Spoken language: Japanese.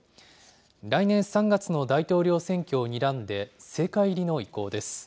来年３月の大統領選挙をにらんで、政界入りの意向です。